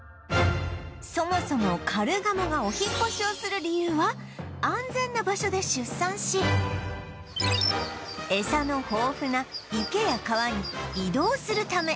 そもそもカルガモがお引っ越しをする理由は安全な場所で出産しエサの豊富な池や川に移動するため